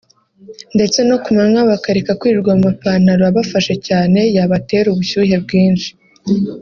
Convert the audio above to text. ndetse no ku manywa bakareka kwirirwa mu mapantalo abafashe cyane yabatera ubushyuhe bwinshi